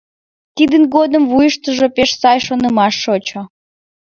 Тидын годым вуйыштыжо пеш сай шонымаш шочо.